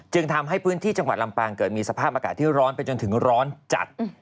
จึงทำให้พื้นที่จังหวัดลำปางเกิดมีสภาพอากาศที่ร้อนไปจนถึงร้อนจัด